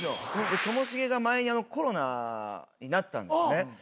ともしげが前にコロナになったんですね。